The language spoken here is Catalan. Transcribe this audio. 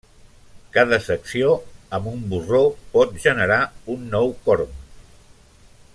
Cada secció amb un borró pot generar un nou corm.